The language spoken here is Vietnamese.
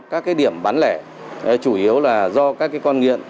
các điểm bán lẻ chủ yếu là do các con nghiện